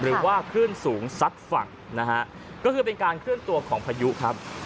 หรือว่าคลื่นสูงซัดฝั่งนะฮะก็คือเป็นการเคลื่อนตัวของพายุครับ